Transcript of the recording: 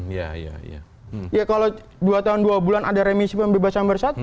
iya iya kalau dua tahun dua bulan ada remisi pembebasan bersatu